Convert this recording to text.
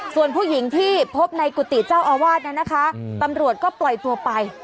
ส่วนผู้หญิงที่พบในกุฏิเจ้าอาวาสนั้นนะคะตำรวจก็ปล่อยตัวไป